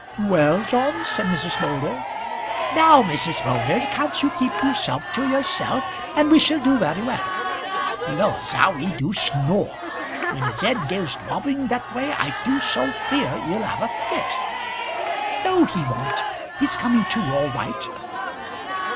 "Well, John?" said Mrs. Moulder. "Now, Mrs. Moulder, can't you keep yourself to yourself, and we shall do very well. Laws, how he do snore! When his head goes bobbing that way I do so fear he'll have a fit." "No he won't; he's coming to, all right.